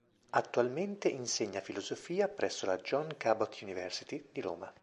Attualmente insegna filosofia presso la John Cabot University di Roma.